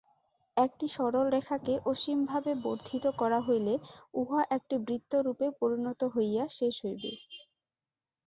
একটি সরল রেখাকে অসীমভাবে বর্ধিত করা হইলে উহা একটি বৃত্তরূপে পরিণত হইয়া শেষ হইবে।